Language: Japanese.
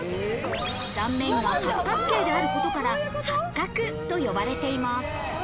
断面が八角形であることからハッカクと呼ばれています。